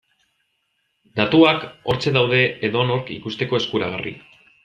Datuak hortxe daude edonork ikusteko eskuragarri.